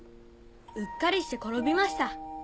うっかりして転びました。